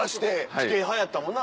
否定派やったもんな